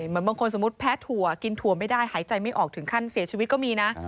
เหมือนบางคนสมมุติแพ้ถั่วกินถั่วไม่ได้หายใจไม่ออกถึงขั้นเสียชีวิตก็มีนะ